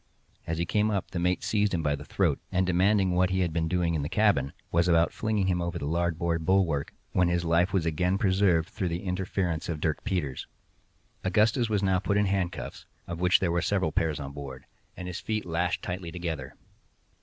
As he came up, the mate seized him by the throat, and demanding what he had been doing in the cabin, was about flinging him over the larboard bulwark, when his life was again preserved through the interference of Dirk Peters. Augustus was now put in handcuffs (of which there were several pairs on board), and his feet lashed tightly together.